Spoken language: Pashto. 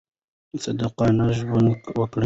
صادقانه ژوند وکړئ.